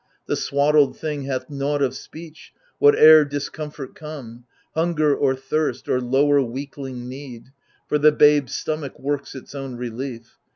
The swaddled thing Hath nought of speech, whatever discomfort come — Hunger or thirst or lower weakling need, — For the babe's stomach works its own relief.